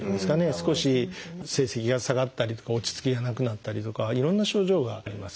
少し成績が下がったりとか落ち着きがなくなったりとかいろんな症状があります。